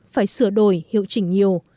phải sửa đổi hiệu chỉnh nhiều